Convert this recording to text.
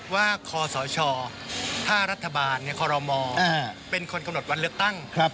คศถ้ารัฐบาลคอรมเป็นคนกำหนดวันเลือกตั้ง